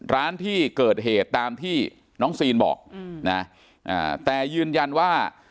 ร้านที่เกิดเหตุตามที่น้องซีนบอกนะแต่ยืนยันว่า